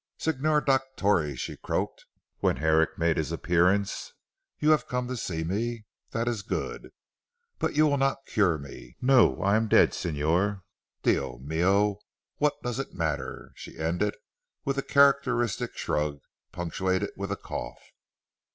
"Signor Dottore," she croaked when Herrick made his appearance, "you have come to see me. That is good. But you will not cure me. No. I am dead Signor. Dio mio! what does it matter?" and she ended with a characteristic shrug, punctuated with a cough.